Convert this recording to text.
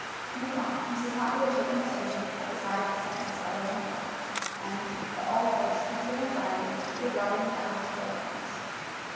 Meanwhile, Mrs. Hartley had taken her station at the side of the senseless fellow on the couch and, her old face tense with anxiety, was rubbing the ice cold hands.